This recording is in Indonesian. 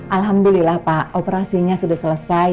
alhamdulillah pak operasinya sudah selesai